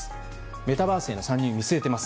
メタバースへの参入を見据えています。